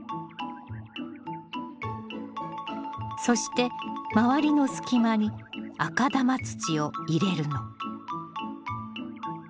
そして周りの隙間に赤玉土を入れるの。